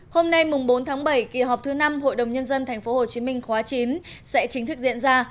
hôm nay bốn tháng bảy kỳ họp thứ năm hội đồng nhân dân tp hcm khóa chín sẽ chính thức diễn ra